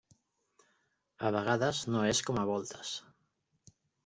A vegades no és com a voltes.